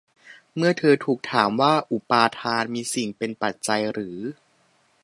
เมื่อเธอถูกถามว่าอุปาทานมีสิ่งเป็นปัจจัยหรือ